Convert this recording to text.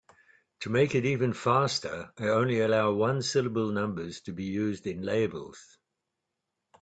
To make it even faster, I only allow one-syllable numbers to be used in labels.